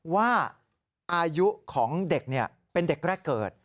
ว่าอายุของเด็กเป็นเด็กแรกเกิด